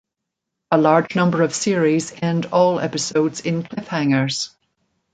A large number of series end all episodes in cliffhangers.